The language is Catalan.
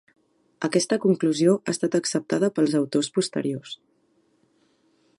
Aquesta conclusió ha estat acceptada pels autors posteriors.